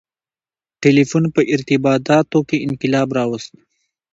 • ټیلیفون په ارتباطاتو کې انقلاب راوست.